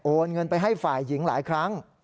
เงินไปให้ฝ่ายหญิงหลายครั้ง